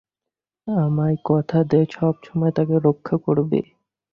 আমায় কথা দে সবসময় তাকে রক্ষা করবি।